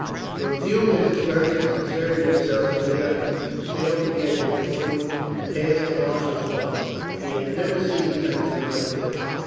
For a few minutes Fergus exerted himself to the utmost, but failed to get his point past the marshal's guard. He had never seen fencing like this.